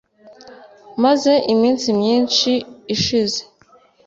Maze iminsi myinshi ishize